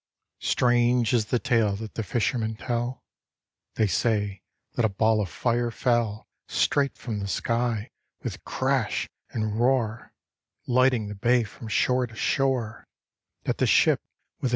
Strange is the tale that the fishermen tell, — They say that a ball of fire fell Straight from the sky, with crash and roar, Lighting the bay from shore to shore; That the ship with a.